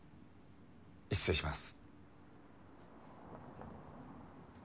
失礼します。